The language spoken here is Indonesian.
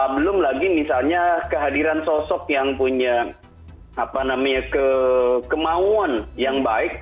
belum lagi misalnya kehadiran sosok yang punya apa namanya kekemauan yang baik